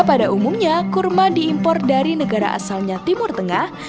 namun kurma ini juga bisa diimpor dari negara asalnya timur tengah